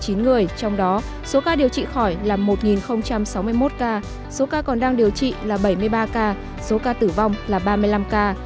trong đó số ca điều trị khỏi là một sáu mươi một ca số ca còn đang điều trị là bảy mươi ba ca số ca tử vong là ba mươi năm ca